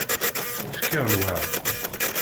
Fkiɣ lweεd.